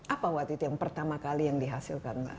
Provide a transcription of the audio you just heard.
apa waktu itu yang pertama kali yang dihasilkan